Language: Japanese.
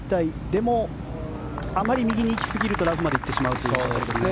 でも、あまり右に行きすぎるとラフまで行ってしまうところですね。